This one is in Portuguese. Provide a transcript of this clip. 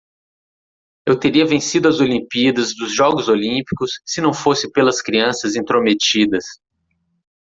Eu teria vencido as Olimpíadas dos Jogos Olímpicos se não fosse pelas crianças intrometidas.